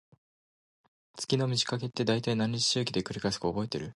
月の満ち欠けって、だいたい何日周期で繰り返すか覚えてる？